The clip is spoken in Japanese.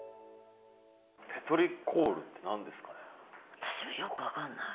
私もよく分かんない。